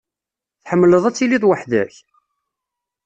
Tḥemmleḍ ad tiliḍ weḥd-k?